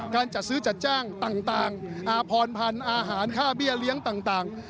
การจัดซื้อจัดจ้างต่างอาพรพันธ์อาหารค่าเบี้ยเลี้ยงต่าง